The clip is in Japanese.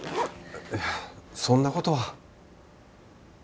いえそんなことは。